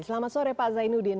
selamat sore pak zainuddin